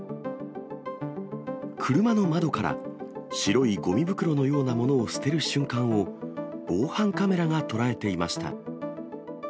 車の窓から白いごみ袋のようなものを捨てる瞬間を、防犯カメラが捉えていました。